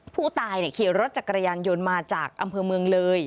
ผู้ตายขี่รถจักรยานยนต์มาจากอำเภอเมืองเลย